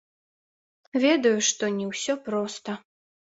Ведаю, што не ўсё проста.